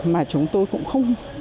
mà chúng tôi cũng không biết hết